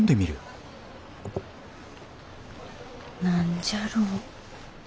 何じゃろう。